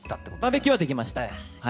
バーベキューはできました。